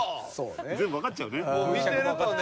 全部わかっちゃうね。